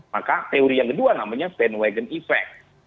maka teori yang kedua namanya bandwagon effect